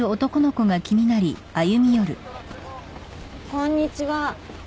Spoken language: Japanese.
こんにちは。